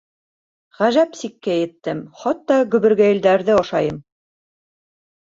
— Ғәжәп сиккә еттем, хатта гөбөргәйелдәрҙе ашайым.